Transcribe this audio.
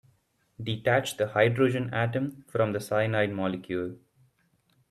Detach the hydrogen atom from the cyanide molecule.